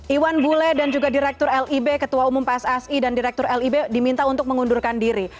iwan bule dan juga direktur lib ketua umum pssi dan direktur lib diminta untuk mengundurkan diri